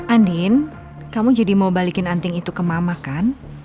andin kamu jadi mau balikin anting itu ke mama kan